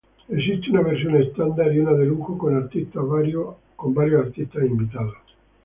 Existe una versión estándar y una de lujo con artistas varios artistas invitados.